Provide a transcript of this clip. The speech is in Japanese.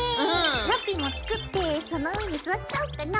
ラッピィも作ってその上に座っちゃおうかな。